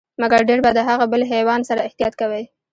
مګر ډیر به د هغه بل حیوان سره احتياط کوئ،